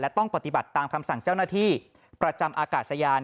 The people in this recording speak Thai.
ต้องปฏิบัติตามคำสั่งเจ้าหน้าที่ประจำอากาศยาน